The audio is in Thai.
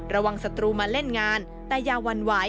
ระวังศัตรูมาเล่นงานแต่อย่าวันไหว